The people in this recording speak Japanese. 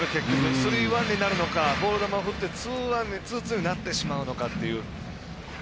スリーワンになるのかボール球を振ってツーツーになってしまうのかという。